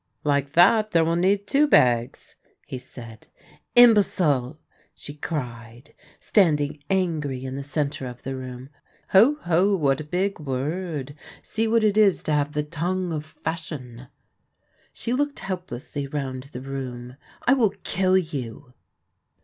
" Like that, there will need two bags !" he said. " Imbecile !" she cried, standing angry in the centre of the room. " Ho, ho ! what a big word ! See what it is to have the tongue of fashion !" She looked helplessly round the room. " I will kill you